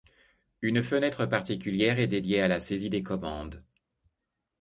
Une fenêtre particulière est dédiée à la saisie des commandes.